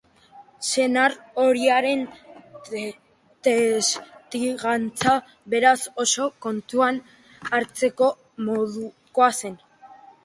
Senar ohiaren testigantza, beraz, oso kontuan hartzekoa modukoa zen.